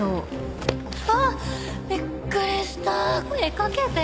あっびっくりした。